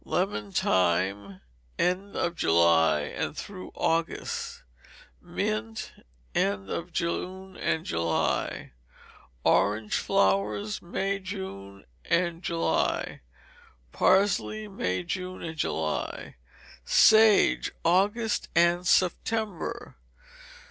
Lemon Thyme end of July and through August. Mint, end of June and July. Orange Flowers, May, June, ard July. Parsley, May, June, and July. Sage, August and September.